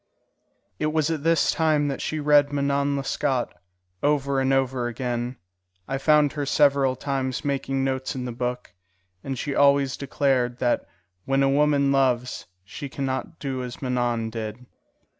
It was at this time that she read Manon Lescaut, over and over again. I found her several times making notes in the book, and she always declared that when a woman loves, she can not do as Manon did.